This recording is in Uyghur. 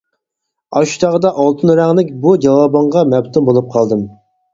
ئاشۇ چاغدا ئالتۇن رەڭلىك بۇ جاۋابىڭغا مەپتۇن بولۇپ قالدىم.